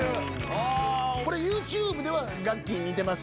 ＹｏｕＴｕｂｅではガッキーに似てます